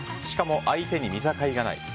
しかも相手に見境がない。